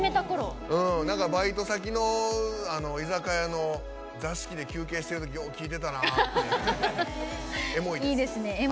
バイト先の居酒屋の座敷で休憩してるときよう聴いてたなってエモいです。